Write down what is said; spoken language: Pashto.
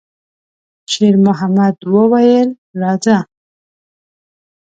شېرمحمد وویل: «راځه!»